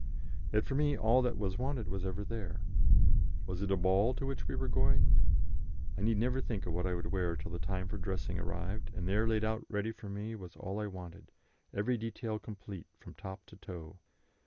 Yet for me all that was wanted was ever there. Was it a ball to which we were going? I need never think of what I would wear till the time for dressing arrived, and there laid out ready for me was all I wanted, every detail complete from top to toe.